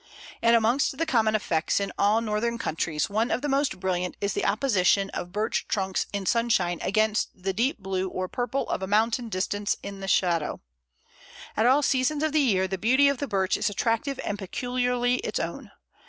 And amongst the common effects in all northern countries, one of the most brilliant is the opposition of birch trunks in sunshine against the deep blue or purple of a mountain distance in shadow. At all seasons of the year the beauty of the birch is attractive and peculiarly its own.